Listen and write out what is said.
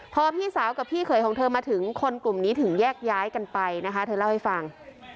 พอพี่สาวกับพี่เขยของเธอมาถึงคนกลุ่มนี้ถึงแยกย้ายกันไปนะคะเธอเล่าให้ฟัง